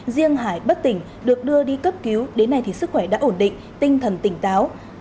riêng hải bất tỉnh được đưa đi cấp cứu đến nay thì sức khỏe đã ổn định tinh thần tỉnh táo